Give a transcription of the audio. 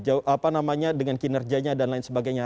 apa namanya dengan kinerjanya dan lain sebagainya